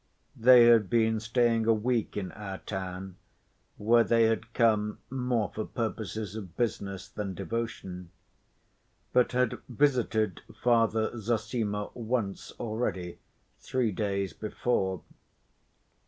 They had been staying a week in our town, where they had come more for purposes of business than devotion, but had visited Father Zossima once already, three days before.